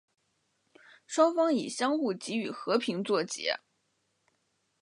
双方以相互给予和平作结。